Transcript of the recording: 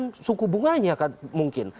karena suku bunganya mungkin